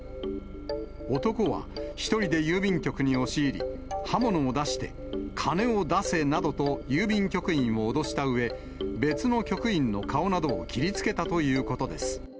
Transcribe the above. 男は、１人で郵便局に押し入り、刃物を出して、金を出せなどと、郵便局員を脅したうえ、別の局員の顔などを切りつけたということです。